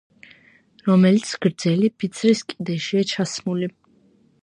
რომელიც გრძელი ფიცრის კიდეშია ჩასმული.